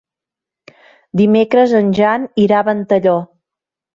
Dimecres en Jan irà a Ventalló.